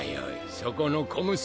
そこの小娘。